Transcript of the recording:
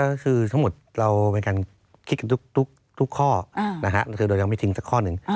ก็คือทั้งหมดเราเป็นการคิดกันทุกข้อคือเรายังไม่ทิ้งสักข้อหนึ่ง